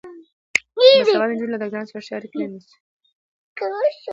باسواده نجونې له ډاکټرانو سره ښه اړیکه نیسي.